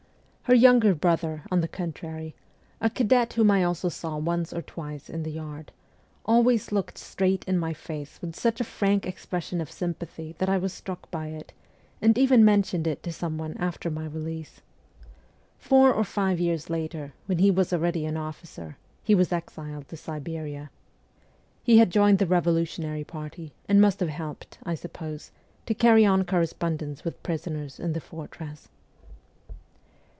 Her younger brother, on the contrary, a cadet whom I also saw once or twice in the yard, always looked straight in my face with such a frank expression of sympathy that I was struck by it, and even mentioned it to some one after my release. Four or five years later, when he was already an officer, he was exiled to Siberia. He had joined the revolutionary party, and must have helped, I suppose, to carry on correspondence with prisoners in the fortress.